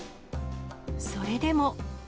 それでも。